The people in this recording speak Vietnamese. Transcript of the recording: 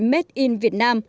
made in việt nam